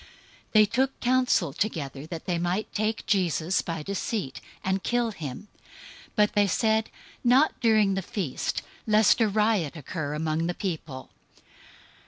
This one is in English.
026:004 They took counsel together that they might take Jesus by deceit, and kill him. 026:005 But they said, "Not during the feast, lest a riot occur among the people."